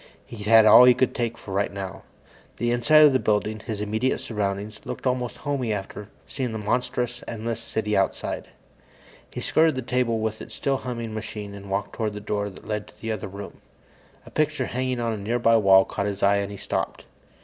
He'd had all of that he could take for right now. The inside of the building, his immediate surroundings, looked almost homey after seeing that monstrous, endless city outside. He skirted the table with its still humming machine and walked toward the door that led to the other room. A picture hanging on a nearby wall caught his eye, and he stopped.